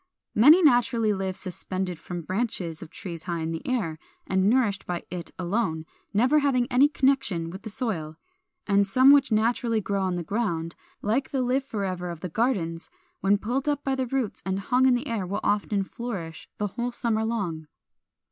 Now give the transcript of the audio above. Many naturally live suspended from the branches of trees high in the air, and nourished by it alone, never having any connection with the soil; and some which naturally grow on the ground, like the Live forever of the gardens, when pulled up by the roots and hung in the air will often flourish the whole summer long.